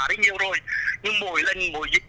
đấy nhiều rồi nhưng mỗi lần mỗi dịp